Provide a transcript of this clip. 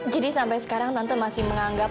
jadi sampai sekarang tante masih menganggap